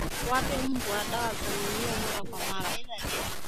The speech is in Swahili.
Wape mbwa dawa za minyoo mara kwa mara